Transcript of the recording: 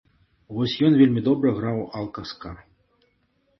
Вось ён вельмі добра граў алка-ска.